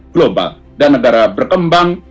global dan negara berkembang